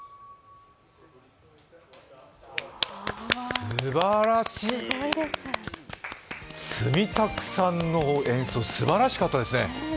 すばらしい住宅さんの演奏すばらしかったですね。